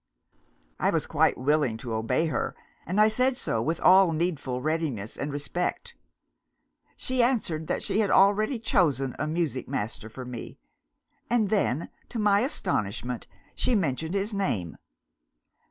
I was quite willing to obey her, and I said so with all needful readiness and respect. She answered that she had already chosen a music master for me and then, to my astonishment, she mentioned his name.